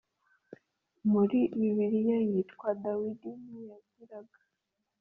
Muri bibiliya witwa dawidi ntiyagiraga